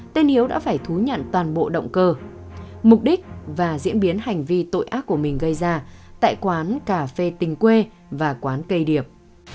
tên hiếu đã phải thú nhận toàn bộ động cơ mục đích và diễn biến hành vi tội ác của mình gây ra tại quán cà phê tình quê và quán cây điệp